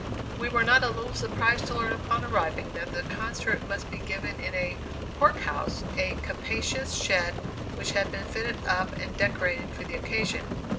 We were not a little surprised to learn upon arriving, that the concert must be given in a "pork house" a capacious shed which had been fitted up and decorated for the occasion.